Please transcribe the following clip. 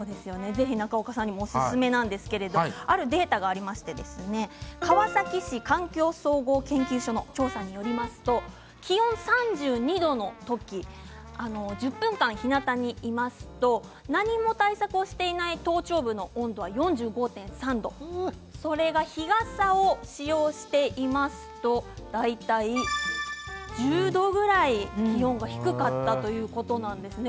中岡さんにもおすすめなんですがあるデータがありまして川崎市環境総合研究所の調査によりますと気温３２度の時１０分間ひなたにいますと何も対策をしない頭頂部の温度は４５．３度それが日傘を使用していますと大体１０度ぐらい気温が低かったということなんですね。